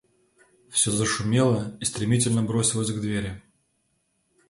Всё зашумело и стремительно бросилось к двери.